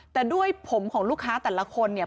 แต่ด้วยผมของลูกค้าแต่ละคนเนี่ย